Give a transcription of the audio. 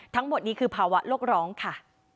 ทั้งหมดนี้คือภาวะโลกร้องค่ะ